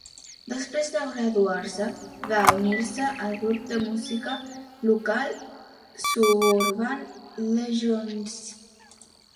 Després de graduar-se, va unir-se al grup de música local Suburban Legends.